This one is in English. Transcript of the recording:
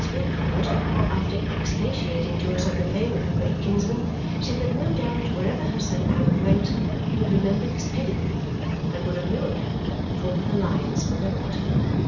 Woodcourt, after expatiating to us on the fame of her great kinsman, said that no doubt wherever her son Allan went he would remember his pedigree and would on no account form an alliance below it.